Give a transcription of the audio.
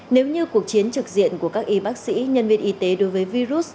nếu như cuộc chiến trực diện của các y bác sĩ nhân viên y tế đối với virus